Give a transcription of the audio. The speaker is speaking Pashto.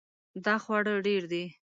دا خواړه ډیر دي